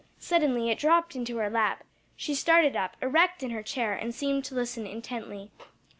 Suddenly it dropped into her lap, she started up erect in her chair and seemed to listen intently.